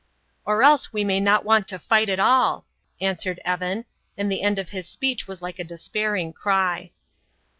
"Or else we may not want to fight at all," answered Evan, and the end of his speech was like a despairing cry.